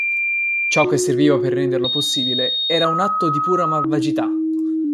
Ciò che serviva per renderlo possibile era un atto di pura malvagità.